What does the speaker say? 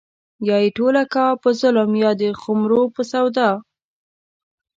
يا يې ټوله کا په ظلم يا د خُمرو په سودا